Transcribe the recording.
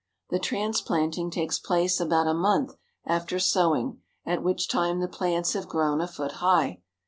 The transplanting takes place about a month after sowing, at which time the plants have grown a foot high.